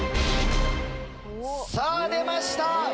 さぁ出ました！